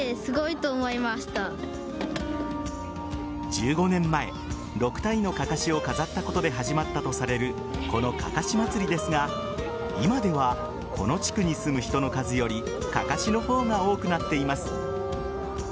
１５年前６体のかかしを飾ったことで始まったとされるこのかかしまつりですが今ではこの地区に住む人の数よりかかしの方が多くなっています。